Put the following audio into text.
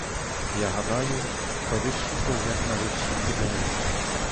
Я гадаю про вищий погляд на вищі ідеї.